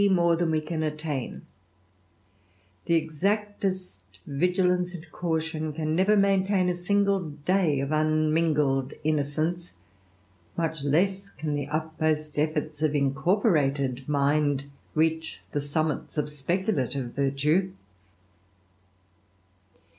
ay 3 more than we can attain ; the exactest vigilance and ution can never maintain a single day of unmingled nocence, much less can the utmost efforts of incorporated ind reach the summits of speculative virtue.